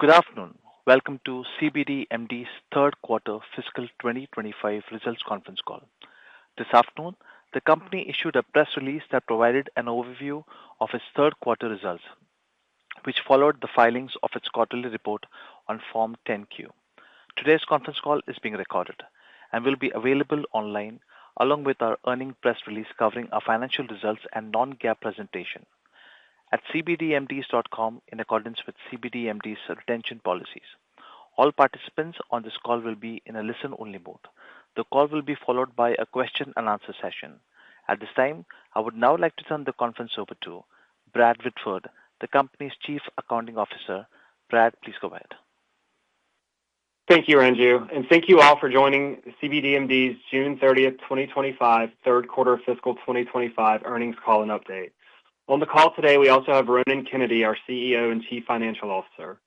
Good afternoon. Welcome to cbdMD's third quarter fiscal 2025 results conference call. This afternoon, the company issued a press release that provided an overview of its third quarter results, which followed the filings of its quarterly report on Form 10-Q. Today's conference call is being recorded and will be available online, along with our earnings press release covering our financial results and non-GAAP presentation at cbdmd.com in accordance with cbdMD's retention policies. All participants on this call will be in a listen-only mode. The call will be followed by a question-and-answer session. At this time, I would now like to turn the conference over to Brad Whitford, the company's Chief Accounting Officer. Brad, please go ahead. Thank you, Ranju. Thank you all for joining cbdMD's June 30th, 2025, third quarter fiscal 2025 earnings call and update. On the call today, we also have Ronan Kennedy, our CEO and Chief Financial Officer.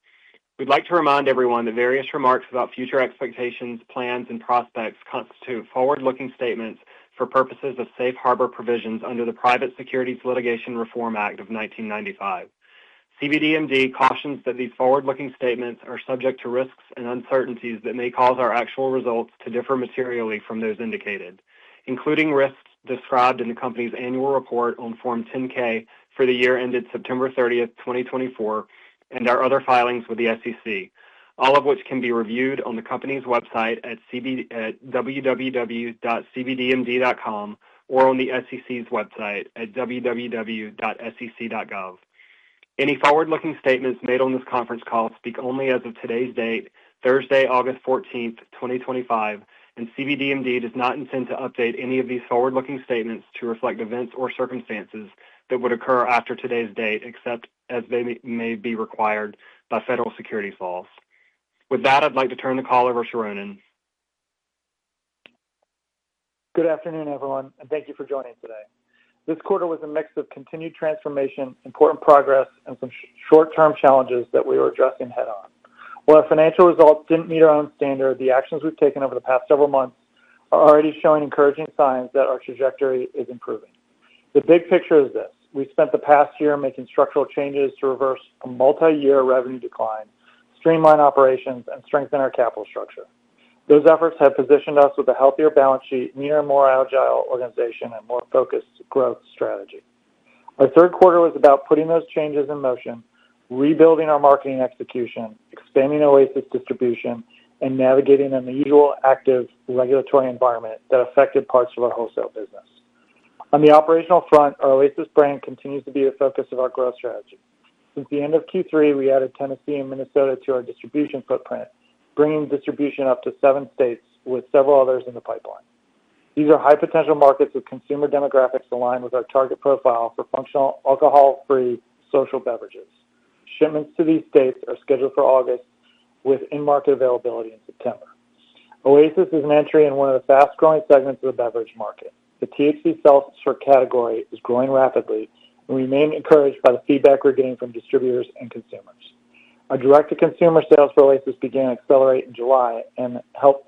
We'd like to remind everyone that various remarks about future expectations, plans, and prospects constitute forward-looking statements for purposes of safe harbor provisions under the Private Securities Litigation Reform Act of 1995. cbdMD cautions that these forward-looking statements are subject to risks and uncertainties that may cause our actual results to differ materially from those indicated, including risks described in the company's annual report on Form 10-K for the year ended September 30, 2024, and our other filings with the SEC, all of which can be reviewed on the company's website at www.cbdmd.com or on the SEC's website at www.sec.gov. Any forward-looking statements made on this conference call speak only as of today's date, Thursday, August 14, 2025, and cbdMD does not intend to update any of these forward-looking statements to reflect events or circumstances that would occur after today's date, except as they may be required by federal securities laws. With that, I'd like to turn the call over to Ronan. Good afternoon, everyone, and thank you for joining today. This quarter was a mix of continued transformation, important progress, and some short-term challenges that we were addressing head-on. While our financial results didn't meet our own standards, the actions we've taken over the past several months are already showing encouraging signs that our trajectory is improving. The big picture is this: we spent the past year making structural changes to reverse a multi-year revenue decline, streamline operations, and strengthen our capital structure. Those efforts have positioned us with a healthier balance sheet, meaning a more agile organization and more focused growth strategy. Our third quarter is about putting those changes in motion, rebuilding our marketing execution, expanding our OASIS Social Tonic distribution, and navigating an unusually active regulatory environment that affected parts of our wholesale business. On the operational front, our OASIS Social Tonic brand continues to be the focus of our growth strategy. Since the end of Q3, we added Tennessee and Minnesota to our distribution footprint, bringing distribution up to seven states, with several others in the pipeline. These are high-potential markets with consumer demographics aligned with our target profile for functional alcohol-free social beverages. Shipments to these states are scheduled for August, with in-market availability in September. OASIS Social Tonic is an entry in one of the fast-growing segments of the beverage market. The THC seltzer category is growing rapidly, and we remain encouraged by the feedback we're getting from distributors and consumers. Our direct-to-consumer sales for OASIS Social Tonic began to accelerate in July, helped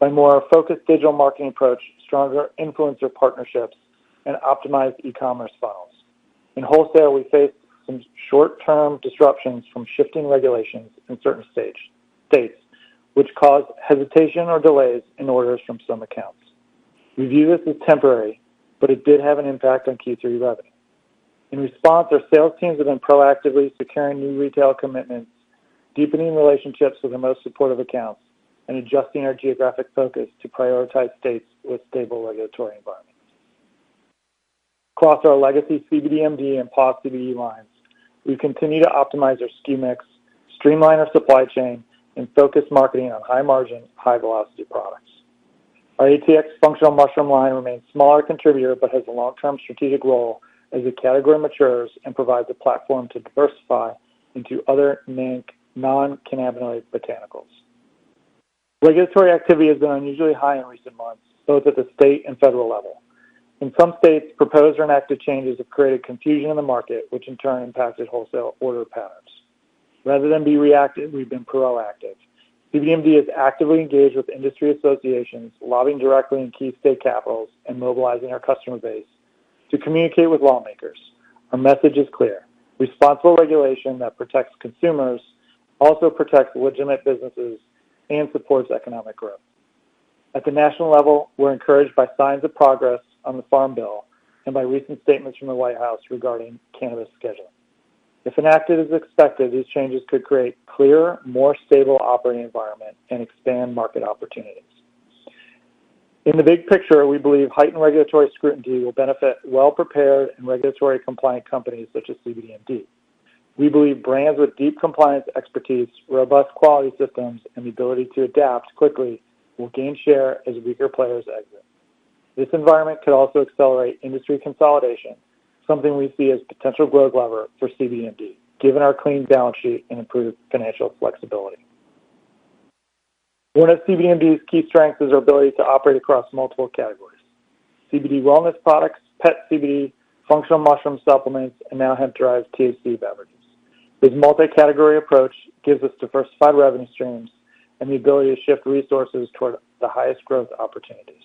by a more focused digital marketing approach, stronger influencer partnerships, and optimized e-commerce files. In wholesale, we faced some short-term disruptions from shifting regulations in certain states, which caused hesitation or delays in orders from some accounts. We view this as temporary, but it did have an impact on Q3 revenue. In response, our sales teams have been proactively securing new retail commitments, deepening relationships with the most supportive accounts, and adjusting our geographic focus to prioritize states with stable regulatory environments. Across our legacy cbdMD and Paw CBD lines, we continue to optimize our SKU mix, streamline our supply chain, and focus marketing on high-margin, high-velocity products. Our ATX functional mushroom line remains a smaller contributor but has a long-term strategic role as the category matures and provides a platform to diversify into other non-cannabinoid botanicals. Regulatory activity has been unusually high in recent months, both at the state and federal level. In some states, proposed or enacted changes have created confusion in the market, which in turn impacted wholesale order patterns. Rather than be reactive, we've been proactive. cbdMD is actively engaged with industry associations, lobbying directly in key state capitals, and mobilizing our customer base to communicate with lawmakers. Our message is clear: responsible regulation that protects consumers also protects legitimate businesses and supports economic growth. At the national level, we're encouraged by signs of progress on the Farm Bill and by recent statements from the White House regarding cannabis scheduling. If enacted, as expected, these changes could create a clearer, more stable operating environment and expand market opportunities. In the big picture, we believe heightened regulatory scrutiny will benefit well-prepared and regulatory-compliant companies such as cbdMD. We believe brands with deep compliance expertise, robust quality systems, and the ability to adapt quickly will gain share as weaker players exit. This environment could also accelerate industry consolidation, something we see as a potential growth lever for cbdMD, given our clean balance sheet and improved financial flexibility. One of cbdMD's key strengths is our ability to operate across multiple categories: CBD wellness products, pet CBD, functional mushroom supplements, and now hemp-derived THC beverages. This multi-category approach gives us diversified revenue streams and the ability to shift resources toward the highest growth opportunities.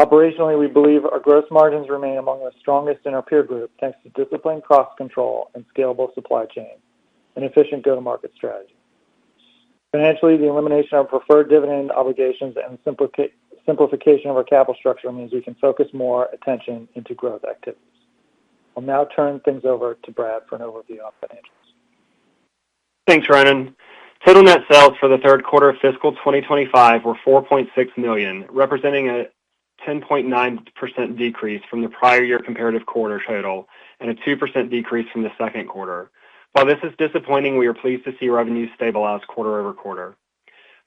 Operationally, we believe our gross margins remain among the strongest in our peer group, thanks to disciplined cost control and scalable supply chain and efficient go-to-market strategy. Financially, the elimination of preferred dividend obligations and the simplification of our capital structure means we can focus more attention into growth activities. I'll now turn things over to Brad for an overview on financials. Thanks, Ronan. Total net sales for the third quarter of fiscal 2025 were $4.6 million, representing a 10.9% decrease from the prior year comparative quarter total and a 2% decrease from the second quarter. While this is disappointing, we are pleased to see revenue stabilize quarter-over-quarter.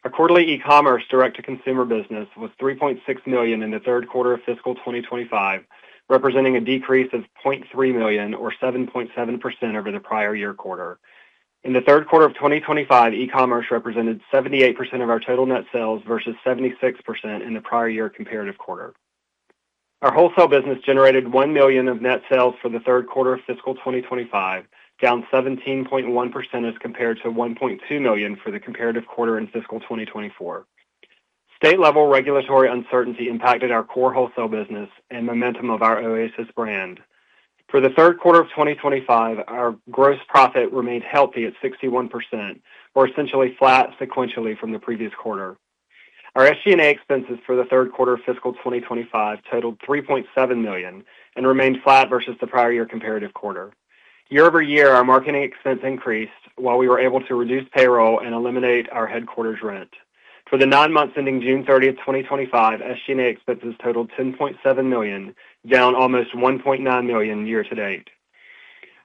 Our quarterly e-commerce direct-to-consumer business was $3.6 million in the third quarter of fiscal 2025, representing a decrease of $0.3 million or 7.7% over the prior year quarter. In the third quarter of 2025, e-commerce represented 78% of our total net sales versus 76% in the prior year comparative quarter. Our wholesale business generated $1 million of net sales for the third quarter of fiscal 2025, down 17.1% as compared to $1.2 million for the comparative quarter in fiscal 2024. State-level regulatory uncertainty impacted our core wholesale business and momentum of our OASIS brand. For the third quarter of 2025, our gross profit remained healthy at 61%, or essentially flat sequentially from the previous quarter. Our SG&A expenses for the third quarter of fiscal 2025 totaled $3.7 million and remained flat versus the prior year comparative quarter. Year-over-year, our marketing expense increased while we were able to reduce payroll and eliminate our headquarters rent. For the nine months ending June 30, 2025, SG&A expenses totaled $10.7 million, down almost $1.9 million year to date.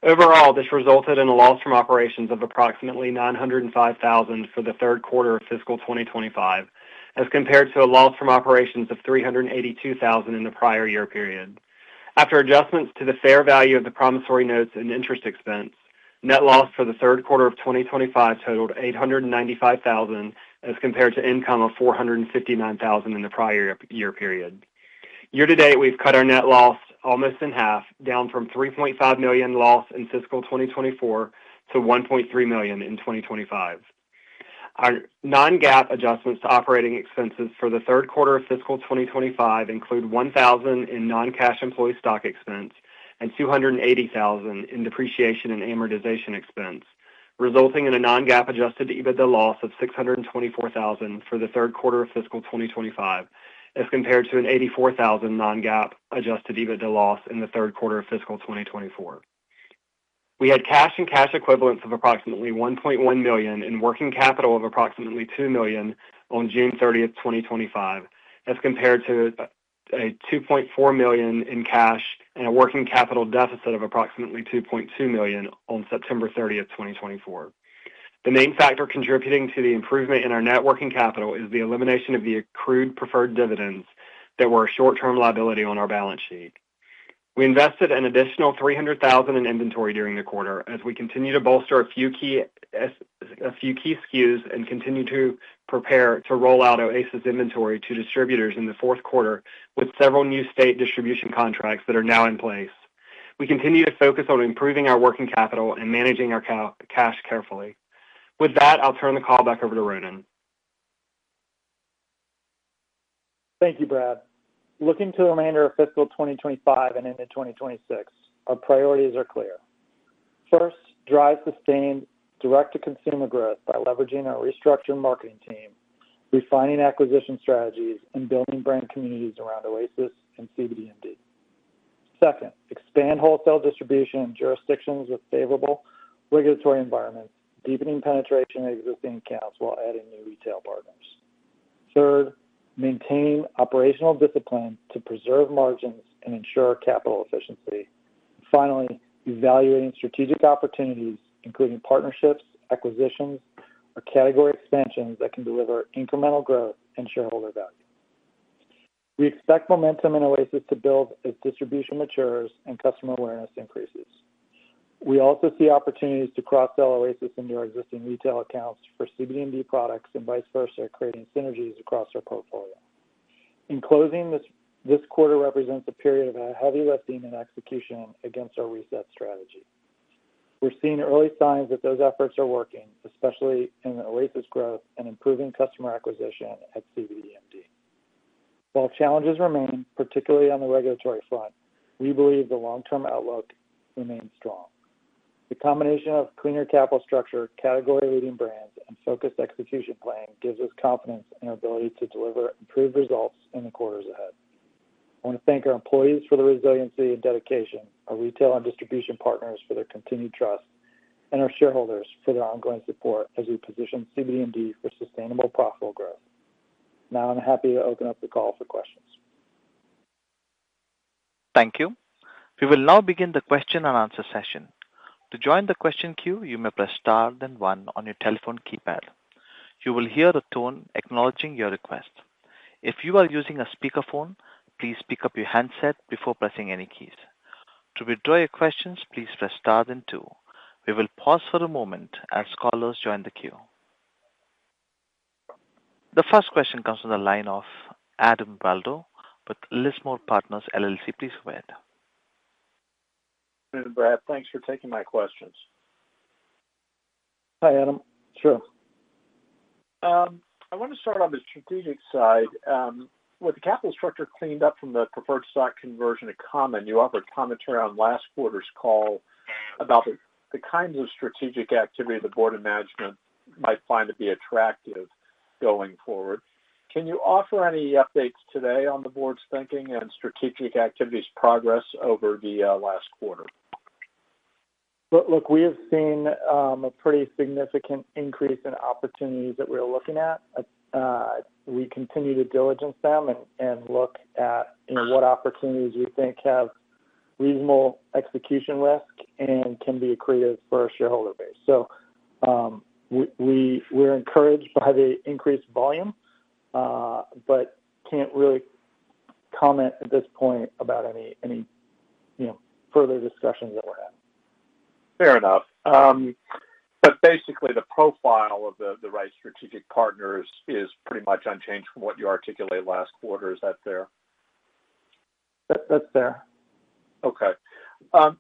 Overall, this resulted in a loss from operations of approximately $905,000 for the third quarter of fiscal 2025, as compared to a loss from operations of $382,000 in the prior year period. After adjustments to the fair value of the promissory notes and interest expense, net loss for the third quarter of 2025 totaled $895,000 as compared to income of $459,000 in the prior year period. Year to date, we've cut our net loss almost in half, down from $3.5 million loss in fiscal 2024 to $1.3 million in 2025. Our non-GAAP adjustments to operating expenses for the third quarter of fiscal 2025 include $1,000 in non-cash employee stock expense and $280,000 in depreciation and amortization expense, resulting in a non-GAAP adjusted EBITDA loss of $624,000 for the third quarter of fiscal 2025, as compared to an $84,000 non-GAAP adjusted EBITDA loss in the third quarter of fiscal 2024. We had cash and cash equivalents of approximately $1.1 million and working capital of approximately $2 million on June 30, 2025, as compared to $2.4 million in cash and a working capital deficit of approximately $2.2 million on September 30, 2024. The main factor contributing to the improvement in our net working capital is the elimination of the accrued preferred dividend obligations that were a short-term liability on our balance sheet. We invested an additional $300,000 in inventory during the quarter, as we continue to bolster a few key SKUs and continue to prepare to roll out OASIS Social Tonic inventory to distributors in the fourth quarter, with several new state distribution contracts that are now in place. We continue to focus on improving our working capital and managing our cash carefully. With that, I'll turn the call back over to Ronan. Thank you, Brad. Looking to a calendar of fiscal 2025 and into 2026, our priorities are clear. First, drive sustained direct-to-consumer growth by leveraging our restructured marketing team, refining acquisition strategies, and building brand communities around OASIS Social Tonic and cbdMD. Second, expand wholesale distribution in jurisdictions with favorable regulatory environments, deepening penetration in existing accounts while adding new retail partners. Third, maintain operational discipline to preserve margins and ensure capital efficiency. Finally, evaluating strategic opportunities, including partnerships, acquisitions, or category expansions that can deliver incremental growth and shareholder value. We expect momentum in OASIS Social Tonic to build as distribution matures and customer awareness increases. We also see opportunities to cross-sell OASIS Social Tonic into our existing retail accounts for cbdMD products and vice versa, creating synergies across our portfolio. In closing, this quarter represents a period of heavy lifting in execution against our reset strategy. We're seeing early signs that those efforts are working, especially in OASIS Social Tonic growth and improving customer acquisition at cbdMD. While challenges remain, particularly on the regulatory front, we believe the long-term outlook remains strong. The combination of cleaner capital structure, category-leading brands, and focused execution planning gives us confidence in our ability to deliver improved results in the quarters ahead. I want to thank our employees for their resiliency and dedication, our retail and distribution partners for their continued trust, and our shareholders for their ongoing support as we position cbdMD for sustainable, profitable growth. Now I'm happy to open up the call for questions. Thank you. We will now begin the question-and-answer session. To join the question queue, you may press *1 on your telephone keypad. You will hear a tone acknowledging your request. If you are using a speakerphone, please pick up your handset before pressing any keys. To withdraw your questions, please press *2. We will pause for a moment as callers join the queue. The first question comes from the line of Adam Waldo with Lismore Partners LLC. Please go ahead. Thank you, Brad. Thanks for taking my questions. Hi, Adam. I want to start on the strategic side. With the capital structure cleaned up from the preferred stock conversion to common, you offered commentary on last quarter's call about the kinds of strategic activity the Board of Management might find to be attractive going forward. Can you offer any updates today on the board's thinking and strategic activities' progress over the last quarter? We have seen a pretty significant increase in opportunities that we're looking at. We continue to diligence them and look at what opportunities we think have reasonable execution risk and can be accretive for our shareholder base. We are encouraged by the increased volume, but can't really comment at this point about any further discussions that we're having. Fair enough. The profile of the right strategic partners is pretty much unchanged from what you articulated last quarter. Is that fair? That's fair. Okay.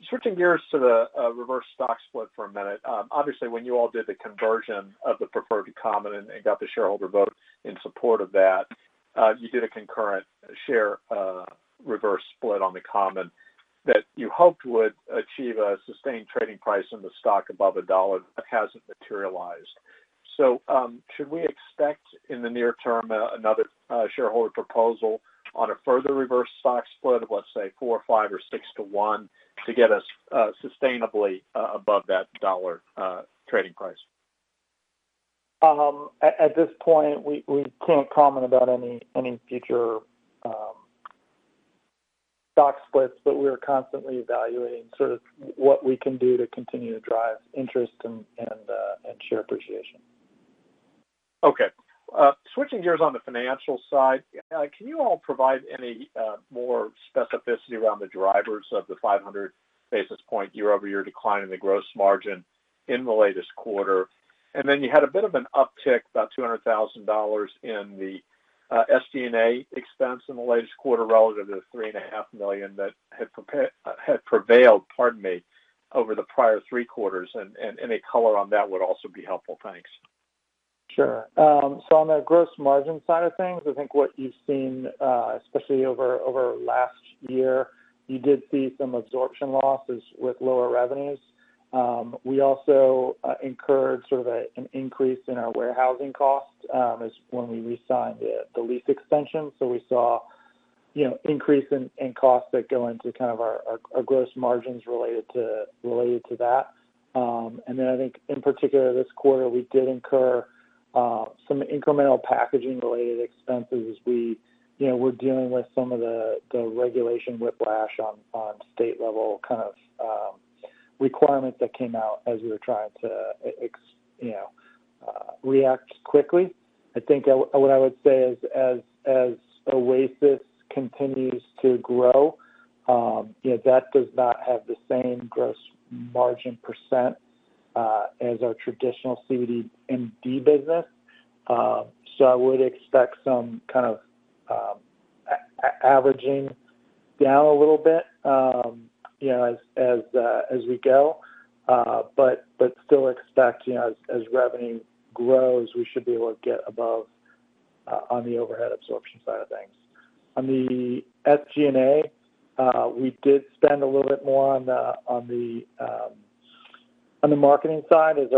Switching gears to the reverse stock split for a minute. Obviously, when you all did the conversion of the preferred to common and got the shareholder vote in support of that, you did a concurrent share reverse split on the common that you hoped would achieve a sustained trading price in the stock above $1. It hasn't materialized. Should we expect in the near term another shareholder proposal on a further reverse stock split of, let's say, four or five or six to one to get us sustainably above that dollar trading price? At this point, we can't comment about any future stock splits, but we're constantly evaluating what we can do to continue to drive interest and share appreciation. Okay. Switching gears on the financial side, can you all provide any more specificity around the drivers of the 500 basis point year-over-year decline in the gross margin in the latest quarter? You had a bit of an uptick, about $200,000 in the SG&A expense in the latest quarter relative to the $3.5 million that had prevailed over the prior three quarters. Any color on that would also be helpful. Thanks. Sure. On the gross margin side of things, I think what you've seen, especially over last year, you did see some absorption losses with lower revenues. We also incurred an increase in our warehousing costs when we resigned the lease extension. We saw an increase in costs that go into our gross margins related to that. In particular this quarter, we did incur some incremental packaging-related expenses as we were dealing with some of the regulation whiplash on state-level requirements that came out as we were trying to react quickly. What I would say is as OASIS Social Tonic continues to grow, you know that does not have the same gross margin percent as our traditional cbdMD business. I would expect some kind of averaging down a little bit as we go. Still expect, as revenue grows, we should be able to get above on the overhead absorption side of things. On the SG&A, we did spend a little bit more on the marketing side as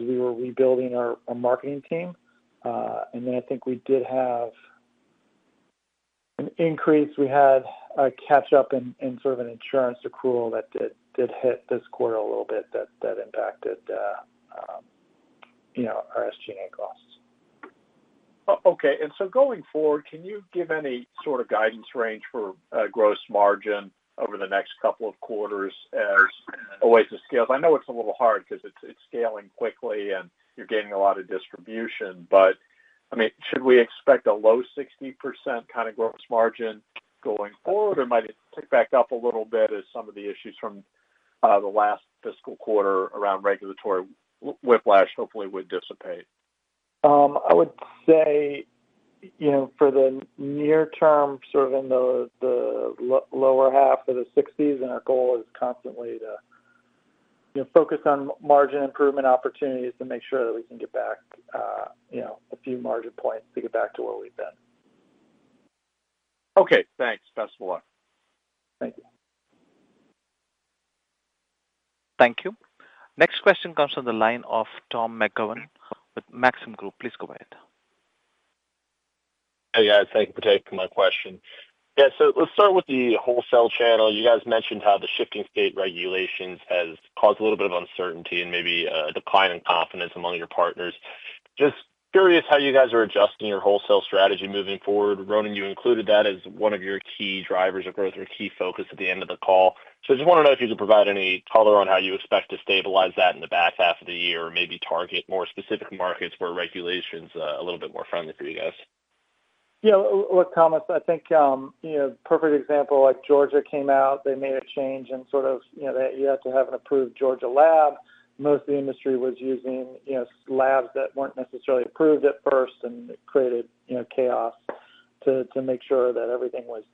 we were rebuilding our marketing team. I think we did have an increase. We had a catch-up in an insurance accrual that did hit this quarter a little bit that impacted our SG&A costs. Okay. Going forward, can you give any sort of guidance range for gross margin over the next couple of quarters as OASIS Social Tonic scales? I know it's a little hard because it's scaling quickly and you're getting a lot of distribution. Should we expect a low 60% kind of gross margin going forward, or might it tick back up a little bit as some of the issues from the last fiscal quarter around regulatory whiplash hopefully would dissipate? I would say for the near term, sort of in the lower half of the 60s, and our goal is constantly to focus on margin improvement opportunities to make sure that we can get back a few margin points to get back to where we've been. Okay, thanks. Best of luck. Thank you. Thank you. Next question comes from the line of Thomas McGovern with Maxim Group. Please go ahead. Hey, guys. Thank you for taking my question. Let's start with the wholesale channel. You mentioned how the shifting state regulations have caused a little bit of uncertainty and maybe a decline in confidence among your partners. I'm just curious how you are adjusting your wholesale strategy moving forward. Ronan, you included that as one of your key drivers or key focus at the end of the call. I just want to know if you could provide any color on how you expect to stabilize that in the back half of the year or maybe target more specific markets where regulation is a little bit more friendly for you. Yeah. Look, Thomas, I think, you know, perfect example, like Georgia came out, they made a change and you have to have an approved Georgia lab. Most of the industry was using labs that weren't necessarily approved at first and created chaos to make sure that everything was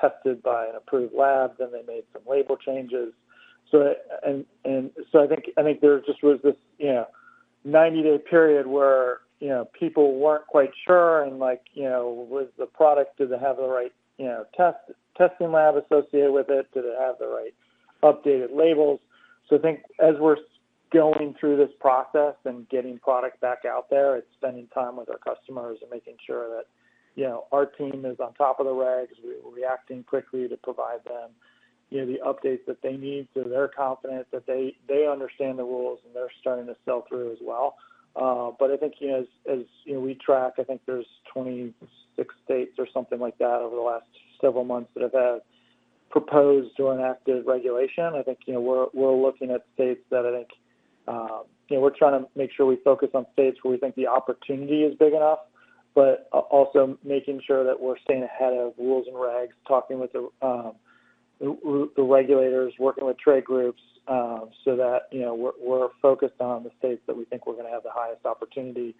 tested by an approved lab. They made some label changes. I think there just was this 90-day period where people weren't quite sure and like, was the product, did it have the right testing lab associated with it? Did it have the right updated labels? I think as we're going through this process and getting products back out there, it's spending time with our customers and making sure that our team is on top of the regs. We're reacting quickly to provide them the updates that they need so they're confident that they understand the rules and they're starting to sell through as well. I think, as you know, we track, I think there's 26 states or something like that over the last several months that have had proposed or enacted regulation. I think we're looking at states that I think we're trying to make sure we focus on states where we think the opportunity is big enough, but also making sure that we're staying ahead of rules and regs, talking with the regulators, working with trade groups, so that we're focused on the states that we think we're going to have the highest opportunity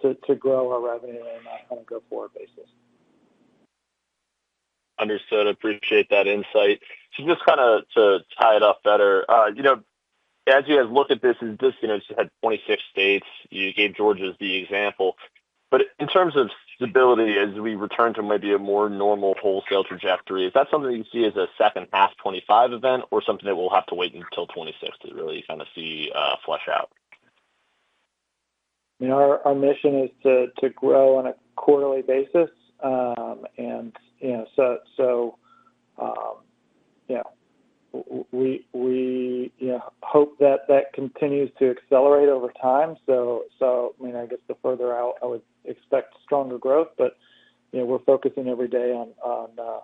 to grow our revenue in on a go-forward basis. Understood. I appreciate that insight. Just to tie it up better, as you guys look at this, is this just had 26 states? You gave Georgia as the example. In terms of stability, as we return to maybe a more normal wholesale trajectory, is that something that you see as a second half 2025 event or something that we'll have to wait until 2026 to really see flesh out? Our mission is to grow on a quarterly basis. We hope that that continues to accelerate over time. I guess the further out, I would expect stronger growth. We're focusing every day on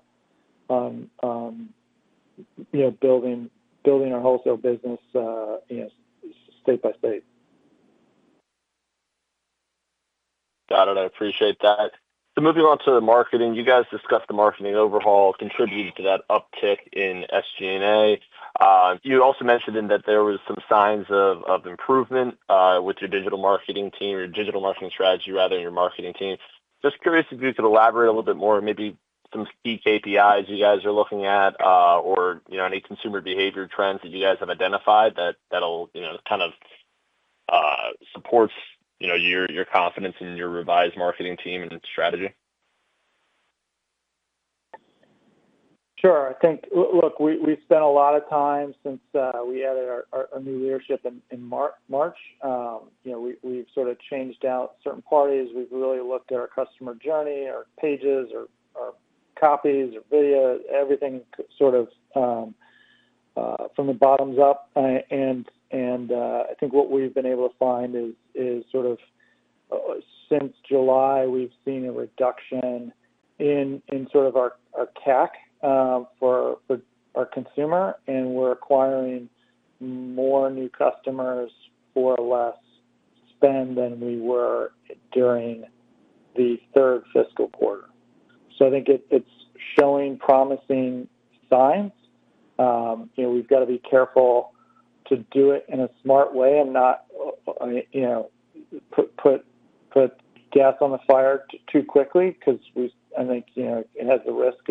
building our wholesale business, state by state. Got it. I appreciate that. Moving on to the marketing, you guys discussed the marketing overhaul contributing to that uptick in SG&A. You also mentioned that there were some signs of improvement with your digital marketing team or your digital marketing strategy, rather, in your marketing team. Just curious if you could elaborate a little bit more on maybe some key KPIs you guys are looking at or any consumer behavior trends that you guys have identified that will kind of support your confidence in your revised marketing team and strategy? Sure. I think, look, we spent a lot of time since we added our new leadership in March. We've sort of changed out certain parties. We've really looked at our customer journey, our pages, our copies, our videos, everything sort of from the bottoms up. I think what we've been able to find is since July, we've seen a reduction in our CAC for our consumer, and we're acquiring more new customers for less spend than we were during the third fiscal quarter. I think it's showing promising signs. We've got to be careful to do it in a smart way and not put gas on the fire too quickly because I think it has the risk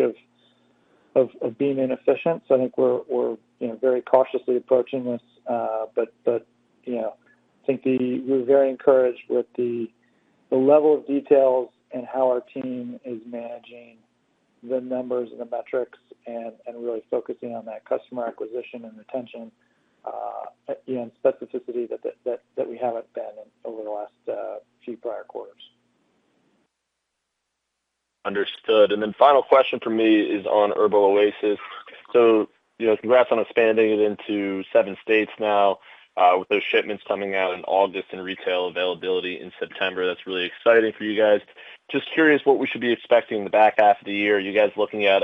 of being inefficient. I think we're very cautiously approaching this. I think we're very encouraged with the level of detail and how our team is managing the numbers and the metrics and really focusing on that customer acquisition and retention and specificity that we haven't been in over the last few prior quarters. Understood. Final question for me is on OASIS Social Tonic. Congrats on expanding it into seven states now with those shipments coming out in August and retail availability in September. That's really exciting for you guys. Just curious what we should be expecting in the back half of the year. Are you guys looking at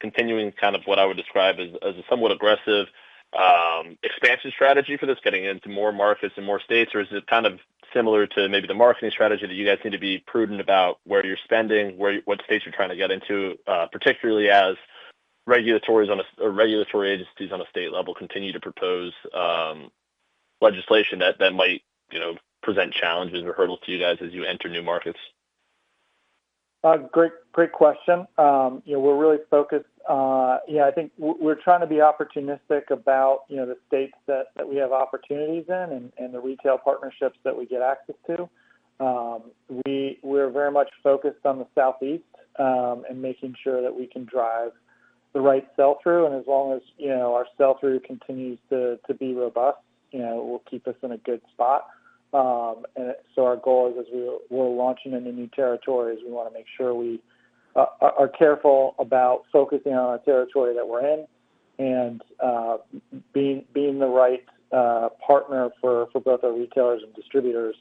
continuing kind of what I would describe as a somewhat aggressive expansion strategy for this, getting into more markets and more states, or is it kind of similar to maybe the marketing strategy that you guys need to be prudent about where you're spending, what states you're trying to get into, particularly as regulatory agencies on a state level continue to propose legislation that might present challenges or hurdles to you guys as you enter new markets? Great question. We're really focused. I think we're trying to be opportunistic about the states that we have opportunities in and the retail partnerships that we get access to. We're very much focused on the Southeast and making sure that we can drive the right sell-through. As long as our sell-through continues to be robust, it will keep us in a good spot. Our goal is as we're launching into new territories, we want to make sure we are careful about focusing on a territory that we're in and being the right partner for both our retailers and distributors,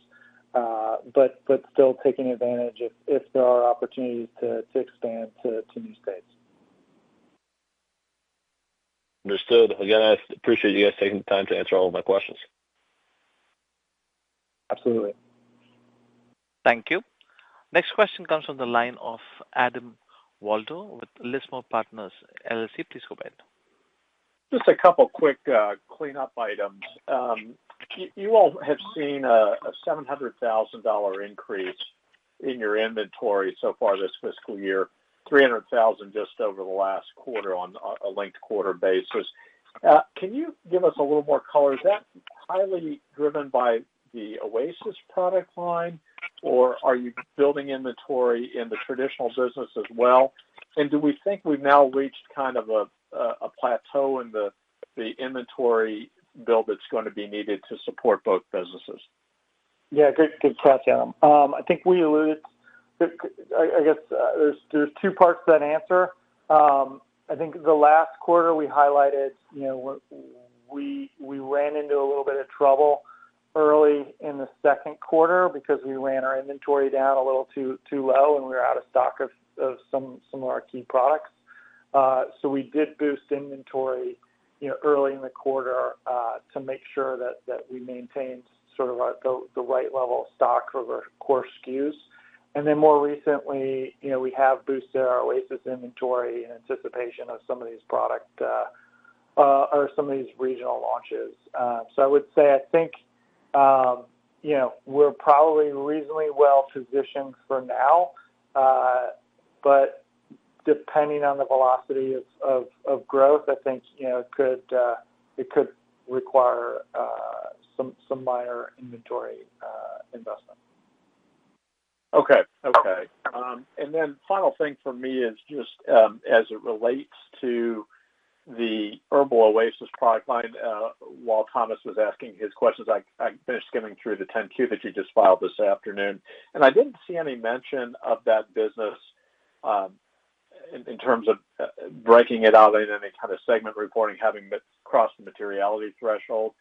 but still taking advantage if there are opportunities to expand to new states. Understood. Again, I appreciate you guys taking the time to answer all of my questions. Absolutely. Thank you. Next question comes from the line of Adam Waldo with Lismore Partners. RSC, please go ahead. Just a couple of quick clean-up items. You all had seen a $700,000 increase in your inventory so far this fiscal year, $300,000 just over the last quarter on a linked quarter basis. Can you give us a little more color? Is that highly driven by the OASIS Social Tonic product line, or are you building inventory in the traditional business as well? Do we think we've now reached kind of a plateau in the inventory build that's going to be needed to support both businesses? Yeah, good catch, Adam. I think we alluded, I guess there's two parts to that answer. I think the last quarter we highlighted, you know, we ran into a little bit of trouble early in the second quarter because we ran our inventory down a little too low and we were out of stock of some of our key products. We did boost inventory early in the quarter to make sure that we maintained sort of the right level of stock for the core SKUs. More recently, we have boosted our OASIS Social Tonic inventory in anticipation of some of these product or some of these regional launches. I would say I think we're probably reasonably well positioned for now. Depending on the velocity of growth, I think it could require some minor inventory investment. Okay. The final thing for me is just as it relates to the OASIS Social Tonic product line, while Thomas was asking his questions, I finished skimming through the 10-Q that you just filed this afternoon. I didn't see any mention of that business in terms of breaking it out in any kind of segment reporting, having crossed the materiality threshold.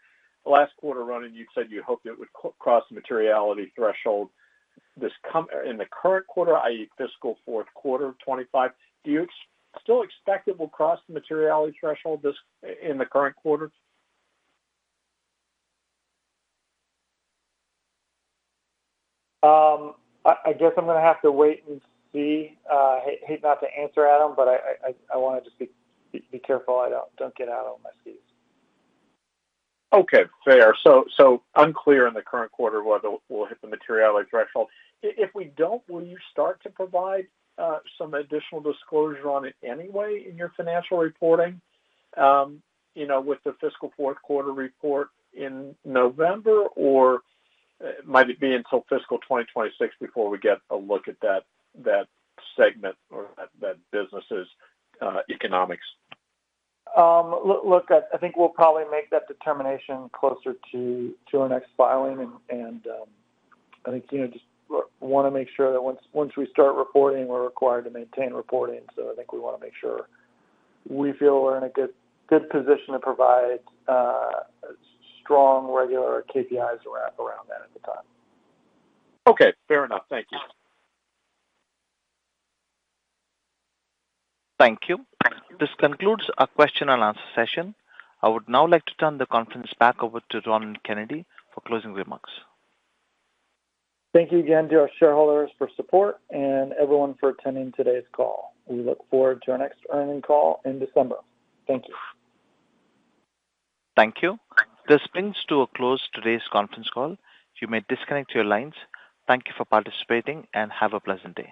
Last quarter, Ronan, you said you hoped it would cross the materiality threshold this coming in the current quarter, i.e., fiscal fourth quarter of 2025. Do you still expect it will cross the materiality threshold in the current quarter? I guess I'm going to have to wait and see. I hate not to answer, Adam, but I want to just be careful. I don't get out on my skis. Okay. Fair. Unclear in the current quarter whether we'll hit the materiality threshold. If we don't, will you start to provide some additional disclosure on it anyway in your financial reporting, you know, with the fiscal fourth quarter report in November, or might it be until fiscal 2026 before we get a look at that segment or that business's economics? I think we'll probably make that determination closer to our next filing. I think, you know, just want to make sure that once we start reporting, we're required to maintain reporting. I think we want to make sure we feel we're in a good position to provide strong regular KPIs around that at the time. Okay, fair enough. Thank you. Thank you. This concludes our question-and-answer session. I would now like to turn the conference back over to Ronan Kennedy for closing remarks. Thank you again to our shareholders for support and everyone for attending today's call. We look forward to our next earnings call in December. Thank you. Thank you. This brings to a close today's conference call. You may disconnect your lines. Thank you for participating and have a pleasant day.